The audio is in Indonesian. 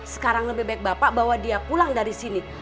sekarang lebih baik bapak bawa dia pulang dari sini